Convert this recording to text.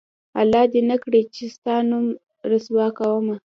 الله دې نه کړي چې ستا نوم رسوا کومه